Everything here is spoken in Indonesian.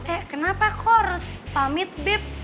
eh kenapa kok harus pamit bip